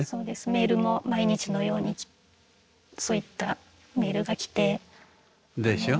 メールも毎日のようにそういったメールが来て。でしょ。